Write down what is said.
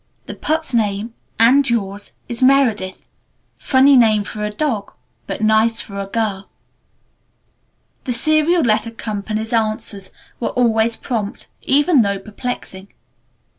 The pup's name and yours is 'Meredith.' Funny name for a dog but nice for a girl." The Serial Letter Co.'s answers were always prompt, even though perplexing.